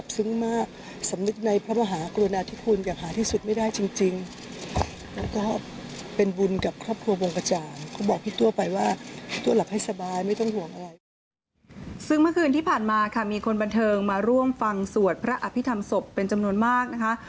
ซึ่งเมื่อคืนที่ผ่านมาค่ะมีคนบันเทิงมาร่วมฟังสวดพระอภิษฐรรมศพเป็นจำนวนมากนะคะ